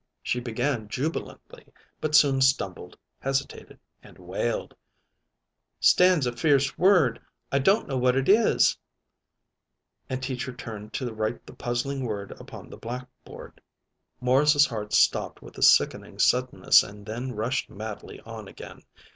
She began jubilantly, but soon stumbled, hesitated, and wailed: "Stands a fierce word. I don't know what it is," and Teacher turned to write the puzzling word upon the blackboard. Morris's heart stopped with a sickening suddenness and then rushed madly on again.